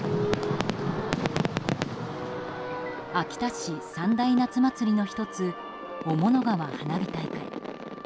秋田市三大夏祭りの１つ雄物川花火大会。